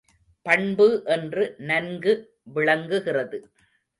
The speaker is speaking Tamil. பண்பு என்று நன்கு விளங்குகிறது.